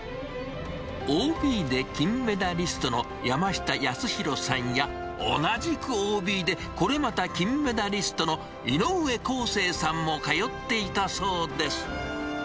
ＯＢで金メダリストの山下やすひろさんや同じくＯＢで、これまた金メダリストの井上こうせいさんも通っていたそうです。